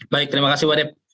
baik terima kasih pak dep